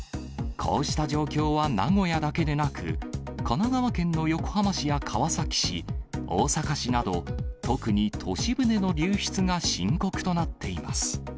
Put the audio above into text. こうした状況は名古屋だけでなく、神奈川県の横浜市や川崎市、大阪市など、特に都市部での流出が深刻となっています。